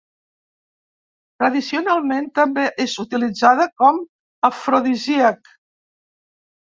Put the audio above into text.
Tradicionalment també és utilitzada com afrodisíac.